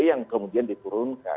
yang kemudian diturunkan